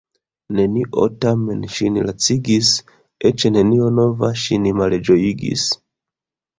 Nenio tamen ŝin lacigis, eĉ nenio nova ŝin malĝojigis.